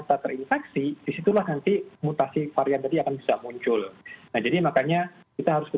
dan sekarang banyak sekali anak anak muda misalnya gitu ya